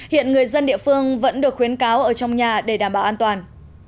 hiện người dân địa phương vẫn được khuyến cáo ở trong nhà để đảm bảo an toàn